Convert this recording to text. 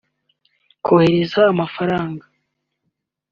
kohereza amafaranga